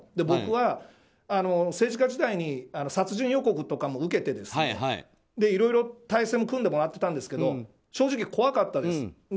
僕は政治家時代に殺人予告とかも受けていろいろ体制も組んでもらってたんですけど正直怖かったです。